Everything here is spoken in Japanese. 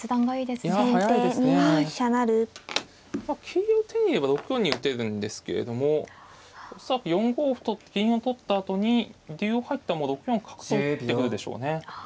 桂を手に入れれば６四に打てるんですけれども恐らく４五歩と銀を取ったあとに竜を入っても６四角と打ってくるでしょうね。